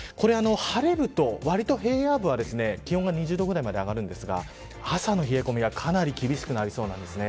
晴れると、わりと平野部は気温が２０度ぐらいまで上がるんですが朝の冷え込みがかなり厳しくなりそうです。